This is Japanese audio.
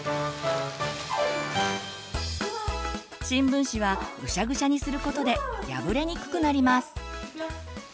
新聞紙はぐしゃぐしゃにすることで破れにくくなります。